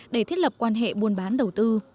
để thiết lập quan hệ buôn bán đầu tư